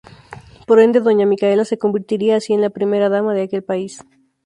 Por ende, doña Micaela se convertiría así en la primera dama de aquel país.